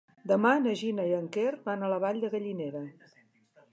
Demà na Gina i en Quer van a la Vall de Gallinera.